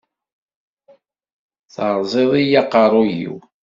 Teṛẓiḍ-iyi aqeṛṛuy-iw.